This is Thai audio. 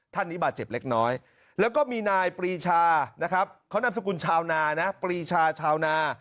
ท่านนี้บาดเจ็บเล็กน้อยแล้วก็มีนายปรีชานะครับเขานามสกุลชาวนานะปรีชาชาวนา